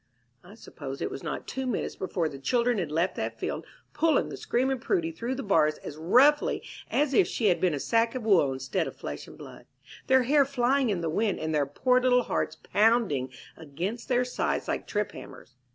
I suppose it was not two minutes before the children had left that field, pulling the screaming Prudy through the bars as roughly as if she had been a sack of wool instead of flesh and blood, their hair flying in the wind, and their poor little hearts pounding against their sides like trip hammers.